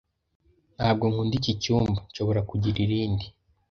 Ntabwo nkunda iki cyumba. Nshobora kugira irindi?